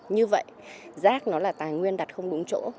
như vậy rác nó là tài nguyên đặt không đúng chỗ